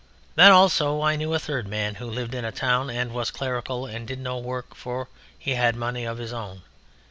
Then also I knew a third man who lived in a town and was clerical and did no work, for he had money of his own.